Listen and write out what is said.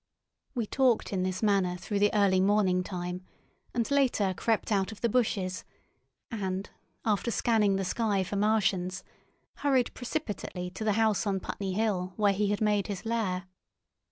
We talked in this manner through the early morning time, and later crept out of the bushes, and, after scanning the sky for Martians, hurried precipitately to the house on Putney Hill where he had made his lair.